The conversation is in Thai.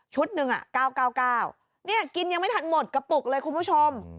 หนึ่ง๙๙๙กินยังไม่ทันหมดกระปุกเลยคุณผู้ชม